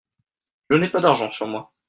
Je n'ai pas d'argent sur moi.